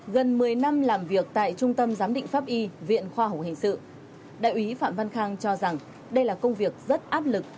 gần một mươi năm làm việc tại trung tâm giám định pháp y viện khoa học hình sự đại úy phạm văn khang cho rằng đây là công việc rất áp lực